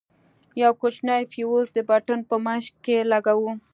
يو کوچنى فيوز د پټن په منځ کښې لگوو.